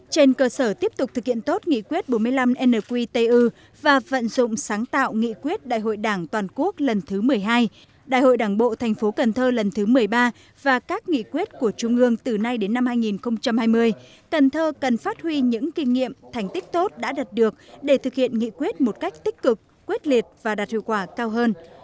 trên cơ sở tiếp tục thực hiện tốt nghị quyết bốn mươi năm nqtu và vận dụng sáng tạo nghị quyết đại hội đảng toàn quốc lần thứ một mươi hai đại hội đảng bộ thành phố cần thơ lần thứ một mươi ba và các nghị quyết của trung ương từ nay đến năm hai nghìn hai mươi cần thơ cần phát huy những kinh nghiệm thành tích tốt đã đạt được để thực hiện nghị quyết một cách tích cực quyết liệt và đạt hiệu quả cao hơn